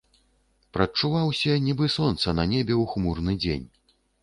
Прадчуваўся, нібы сонца на небе ў хмурны дзень.